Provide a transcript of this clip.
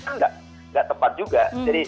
tidak tepat juga